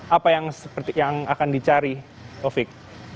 apa yang akan dicari taufik